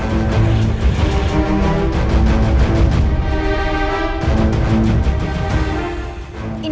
terima kasih music palsari